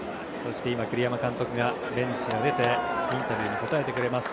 今、栗山監督がベンチを出てインタビューに答えてくれます。